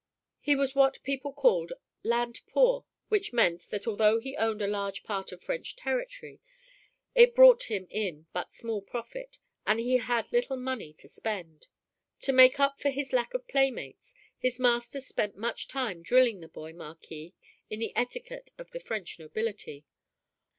He was what people called "land poor," which meant that although he owned a large part of French territory, it brought him in but small profit, and he had little money to spend. To make up for his lack of playmates, his masters spent much time drilling the boy Marquis in the etiquette of the French nobility.